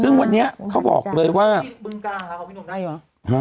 ซึ่งวันนี้เขาบอกเลยว่าที่ดินบึงกาขอบคุณหนุ่มได้หรือ